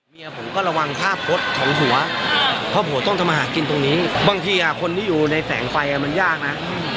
เราต่างแต่คุณเลยนะเราต่างคนต่างให้เกียรติกันแล้วกันน่ะ